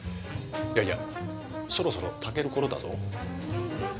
いやいやそろそろ炊ける頃だぞ。